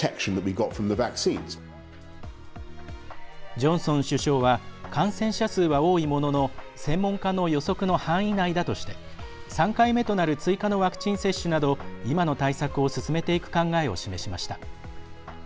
ジョンソン首相は感染者数は多いものの専門家の予測の範囲内だとして３回目となる追加のワクチン接種など今の対策を進めていく考えを示しました。